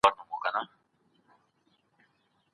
تاسي په خپلو کارونو کي بیړه مه کوئ.